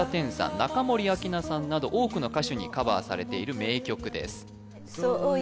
中森明菜さんなど多くの歌手にカバーされている名曲ですそうよ